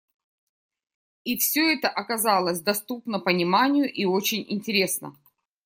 И всё это оказалось доступно пониманию и очень интересно.